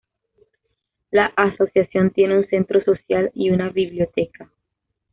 La asociación tiene un centro social y una biblioteca.